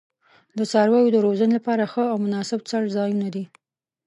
د څارویو د روزنې لپاره ښه او مناسب څړځایونه دي.